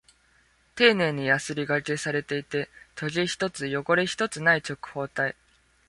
丁寧にヤスリ掛けされていて、トゲ一つ、汚れ一つない直方体。